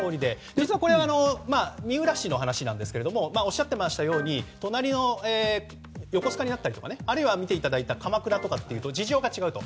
実はこれ三浦市の話ですがおっしゃっていたように隣の横須賀だったりあるいは見ていただいた鎌倉とかでは事情が違うと。